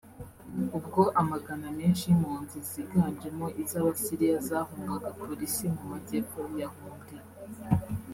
ubwo amagana menshi y’impunzi ziganjemo iz’Abasiriya zahungaga polisi mu majyepfo ya Hongria